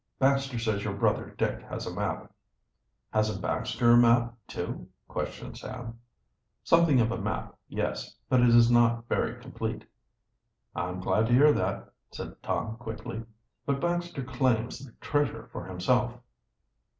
"Baxter says your brother Dick has a map." "Hasn't Baxter a map, too?" questioned Sam. "Something of a map, yes, but it is not very complete." "I'm glad to hear that," said Tom quickly. "But Baxter claims the treasure for himself."